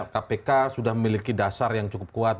kpk sudah memiliki dasar yang cukup kuat